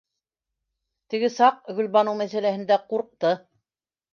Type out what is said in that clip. Теге саҡ, Гөлбаныу мәсьәләһендә, ҡурҡты.